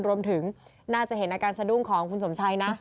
รวมถึงน่าจะเห็นอาการสะดุ้งของคุณสมชัยนะ